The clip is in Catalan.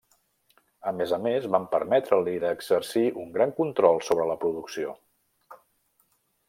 A més a més, van permetre-li d'exercir un gran control sobre la producció.